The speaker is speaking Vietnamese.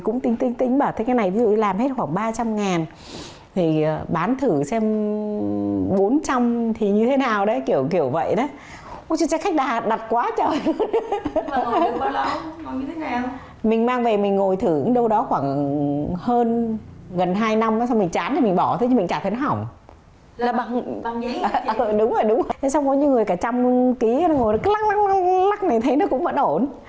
xong có nhiều người cả trăm ký ngồi lắc lắc này thấy nó cũng vẫn ổn